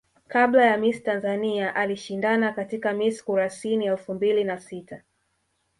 Kabla ya Miss Tanzania alishindana katika Miss Kurasini elfu mbili na sita